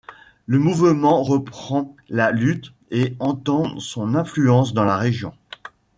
Le mouvement reprend la lutte et étend son influence dans la région.